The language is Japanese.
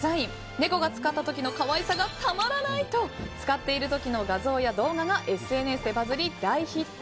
猫が使った時の可愛さがたまらないと使っている時の画像や動画がＳＮＳでバズり大ヒット。